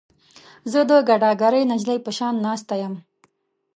زه د ګداګرې نجلۍ په شان ناسته یم.